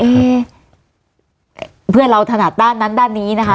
เพื่อนเราถนัดด้านนั้นด้านนี้นะคะ